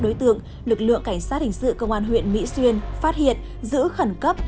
đối tượng lực lượng cảnh sát hình sự công an huyện mỹ xuyên phát hiện giữ khẩn cấp